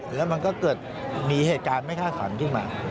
แล้วมันก็เกิดมีเหตุการณ์ไม่คาดฝันขึ้นมา